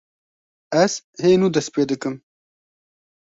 Ez hê nû dest pê dikim.